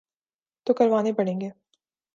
تو کروانے پڑیں گے۔